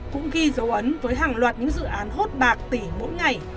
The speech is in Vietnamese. cũng ghi dấu ấn với hàng loạt những dự án hốt bạc tỷ mỗi ngày